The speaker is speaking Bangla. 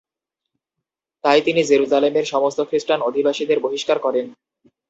তাই তিনি জেরুসালেমের সমস্ত খ্রিস্টান অধিবাসীদের বহিষ্কার করেন।